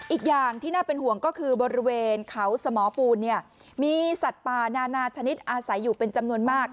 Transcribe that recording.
อีกอย่างที่น่าเป็นห่วงก็คือบริเวณเขาสมอปูนเนี่ยมีสัตว์ป่านานาชนิดอาศัยอยู่เป็นจำนวนมาก